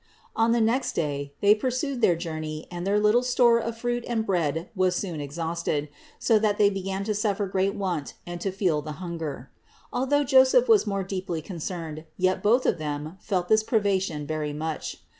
632. On the next day they pursued their journey and THE INCARNATION 541 their little store of fruit and bread was soon exhausted, so that they began to suffer great want and to feel the hunger. Although Joseph was more deeply concerned, yet both of them felt this privation very much.